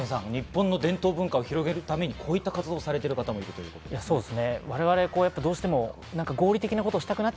日本文化を広げるためにこういう活動をしている方もいるということです。